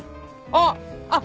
あっあっ